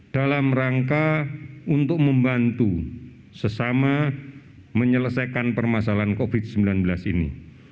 dalam rangka untuk membantu sesama menyelesaikan permasalahan covid sembilan belas ini